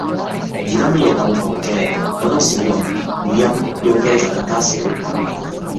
而家乜嘢鬥圖嘅，我都少用，語音用嘅就更加少